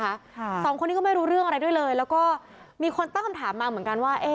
สองคนนี้ก็ไม่รู้เรื่องอะไรด้วยเลยแล้วก็มีคนตั้งคำถามมาเหมือนกันว่าเอ๊ะ